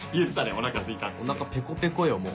おなかペコペコよもう。